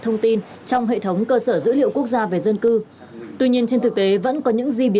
thông tin trong hệ thống cơ sở dữ liệu quốc gia về dân cư tuy nhiên trên thực tế vẫn có những gì